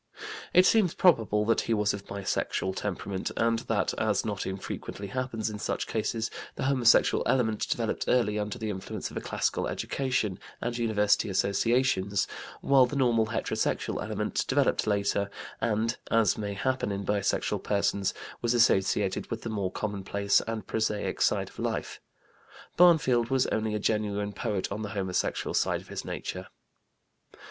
It seems probable that he was of bisexual temperament, and that, as not infrequently happens in such cases, the homosexual element developed early under the influence of a classical education and university associations, while the normal heterosexual element developed later and, as may happen in bisexual persons, was associated with the more commonplace and prosaic side of life. Barnfield was only a genuine poet on the homosexual side of his nature.